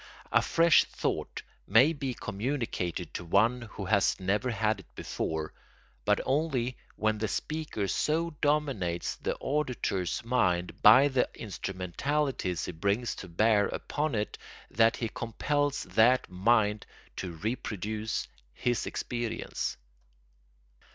A fresh thought may be communicated to one who has never had it before, but only when the speaker so dominates the auditor's mind by the instrumentalities he brings to bear upon it that he compels that mind to reproduce his experience.